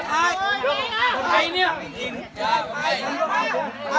พ่อหนูเป็นใคร